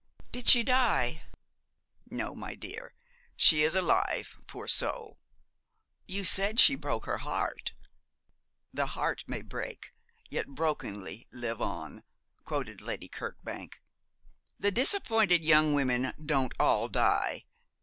Did she die?' 'No, my dear, she is alive poor soul!' 'You said she broke her heart.' '"The heart may break, yet brokenly live on,"' quoted Lady Kirkbank. 'The disappointed young women don't all die.